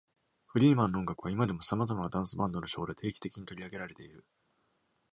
フリーマンの音楽は今でもさまざまなダンスバンドのショーで定期的に取り上げられている。